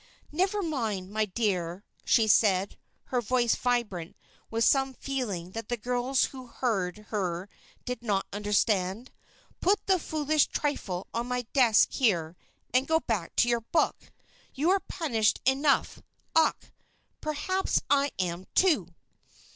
"Never mind, my dear," she said, her voice vibrant with some feeling that the girls who heard her did not understand. "Put the foolish trifle on my desk here and go back to your book. You are punished enough. Ach! perhaps I am, too."